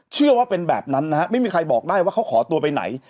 เชื่อว่าเป็นแบบนั้นนะฮะไม่มีใครบอกได้ว่าเขาขอตัวไปไหน